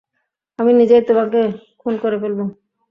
আমি নিজেই তোমাকে খুন করে ফেলবো।